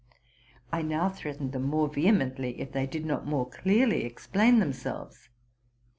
'' I now threatened them more vehe mently if they did not more clearly explain themselves.